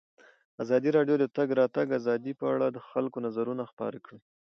ازادي راډیو د د تګ راتګ ازادي په اړه د خلکو نظرونه خپاره کړي.